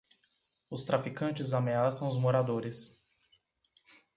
Os traficantes ameaçam os moradores.